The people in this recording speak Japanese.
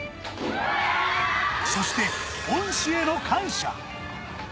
そして恩師への感謝。